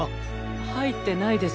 はいってないです。